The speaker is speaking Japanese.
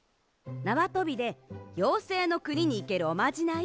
なわとびでようせいのくににいけるおまじない。